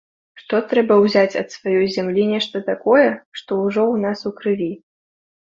Што трэба ўзяць ад сваёй зямлі нешта такое, што ўжо ў нас у крыві.